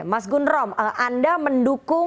mas gun rom anda mendukung